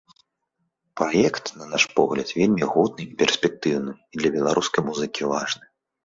Праект, на наш погляд, вельмі годны і перспектыўны, і для беларускай музыкі важны.